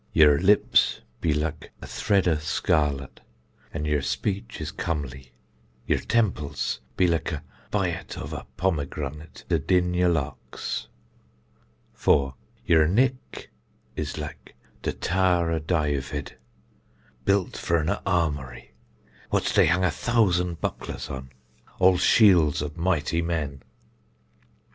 Yer lips be lik a thread of scarlet, an yer speech is comely; yer temples be lik a bit of a pomgranate adin yer locks. 4. Yer nick is lik de tower of Daöved, built for an armoury, what dey heng a thousan bucklers on, all shields of mighty men.